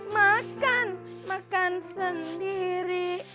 makan makan sendiri